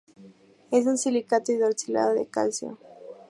Es un silicato hidroxilado de calcio.